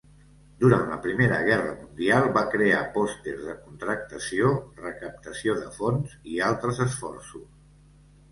Durant la Primera Guerra Mundial, va crear pòsters de contractació, recaptació de fons i altres esforços.